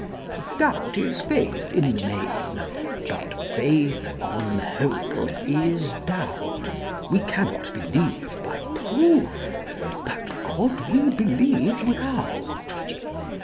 Doubt is faith in the main: but faith, on the whole, is doubt: We cannot believe by proof: but could we believe without?